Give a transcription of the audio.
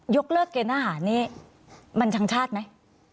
ยกเลิกเกณฑ์ทหารนี่มันทางชาติไหม